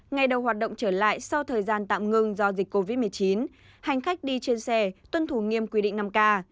ngày đầu hoạt động trở lại sau thời gian tạm ngừng do dịch covid một mươi chín hành khách đi trên xe tuân thủ nghiêm quy định năm k